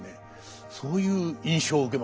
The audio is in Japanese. そういう印象を受けますね。